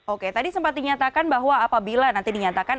oke tadi sempat dinyatakan bahwa apabila nanti dinyatakan